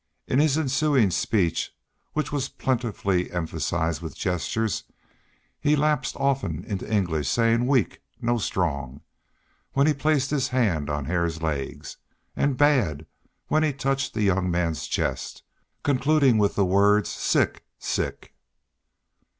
In his ensuing speech, which was plentifully emphasized with gestures, he lapsed often into English, saying "weak no strong" when he placed his hand on Hare's legs, and "bad" when he touched the young man's chest, concluding with the words "sick sick."